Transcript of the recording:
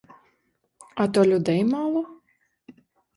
А то людей мало?